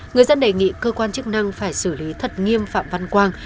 người dân đề nghị cơ quan chức năng phải xử lý thật nghiêm phạm văn quang